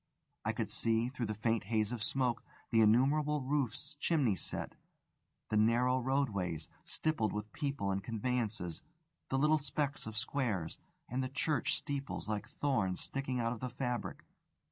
I could see, through the faint haze of smoke, the innumerable roofs chimney set, the narrow roadways, stippled with people and conveyances, the little specks of squares, and the church steeples like thorns sticking out of the fabric.